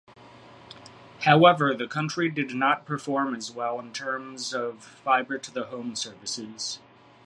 However, the country did not perform as well in terms of fiber-to-the-home services.